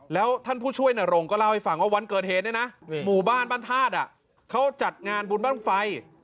แล้วท่านผู้ช่วยนรงก็เล่าให้ฟังว่าวันเกิดเหตุเนี่ยนะหมู่บ้านบ้านธาตุเขาจัดงานบุญบ้างไฟ